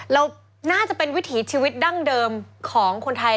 เราน่าจะเป็นวิถีชีวิตดั้งเดิมของคนไทย